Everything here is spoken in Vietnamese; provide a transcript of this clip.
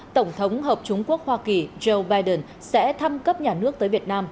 tổng thống hợp chúng quốc hoa kỳ joe biden sẽ thăm cấp nhà nước tới việt nam